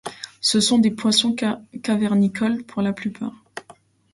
Ce sont des poissons cavernicoles pour la plupart.